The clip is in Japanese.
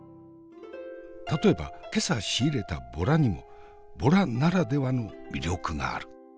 例えば今朝仕入れたボラにもボラならではの魅力がある。